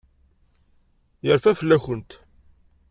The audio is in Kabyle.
Yerfa fell-akent.